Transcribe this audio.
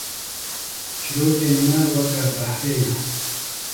Çîrokên me weke behrê ne